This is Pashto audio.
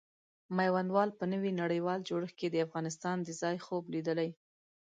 میوندوال په نوي نړیوال جوړښت کې د افغانستان د ځای خوب لیدلی.